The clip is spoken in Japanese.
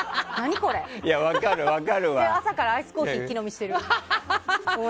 それで朝からアイスコーヒー一気飲みしている。